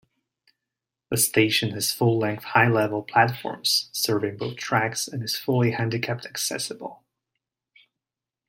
The station has full-length high-level platforms serving both tracks and is fully handicapped accessible.